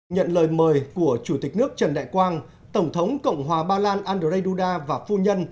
nhận lời mời của chủ tịch nước trần đại quang tổng thống cộng hòa ba lan andrzej duda và phu nhân